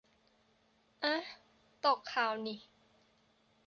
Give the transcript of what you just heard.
อ๊ะ ตกข่าวนิ